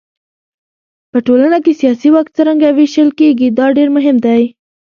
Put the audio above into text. په ټولنه کې سیاسي واک څرنګه وېشل کېږي دا ډېر مهم دی.